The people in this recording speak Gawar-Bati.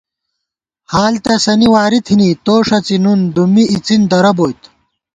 حال تسَنی واری تھنی، تو ݭڅی نُن دُمّی اِڅِن درہ بوئیت